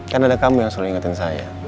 kan ada kamu yang selalu ingetin saya